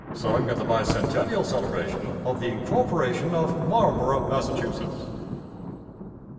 * Sung at the bi centennial celebration of the incorporation of Marlboro, Mass.